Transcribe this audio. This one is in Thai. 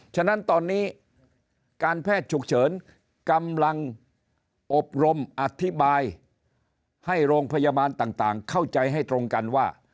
ฉะนั้นตอนนี้การแพทย์ฉุกเฉินกำลังอบรมอธิบายให้โรงพยาบาลต่างเข้าใจให้ตรงกันว่า